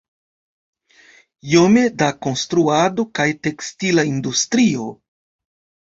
Iome da konstruado kaj tekstila industrio.